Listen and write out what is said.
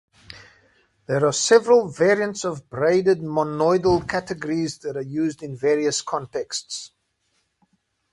There are several variants of braided monoidal categories that are used in various contexts.